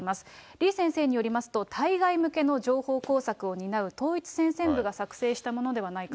李先生によりますと、対外向けの情報工作を担う統一戦線部が作成したものではないかと。